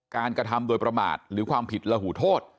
กระทำโดยประมาทหรือความผิดระหูโทษ